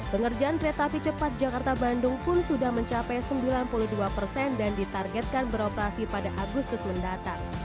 pengerjaan kereta api cepat jakarta bandung pun sudah mencapai sembilan puluh dua persen dan ditargetkan beroperasi pada agustus mendatang